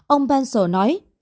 ông pencil nói